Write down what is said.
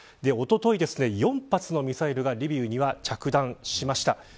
おととい、４発のミサイルがリビウには着弾しました。